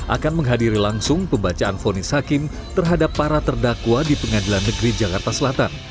akan menghadiri langsung pembacaan fonis hakim terhadap para terdakwa di pengadilan negeri jakarta selatan